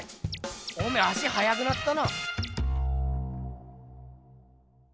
おめえ足はやくなったな。